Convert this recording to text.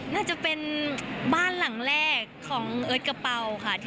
น่าจะเป็นบ้านหลังแรกของเอิร์ทกระเป๋าค่ะ